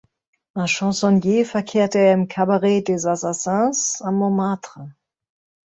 Als Chansonnier verkehrte er im "Cabaret des Assassins" am Montmartre.